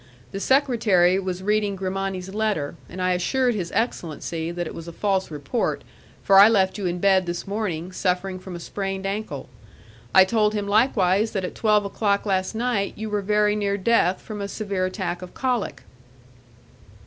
The secretary was reading Grimani's letter, and I assured his excellency that it was a false report, for I left you in bed this morning, suffering from a sprained ankle. I told him likewise that at twelve o'clock last night you were very near death from a severe attack of colic."